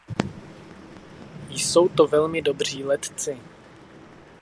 Jsou to velmi dobří letci.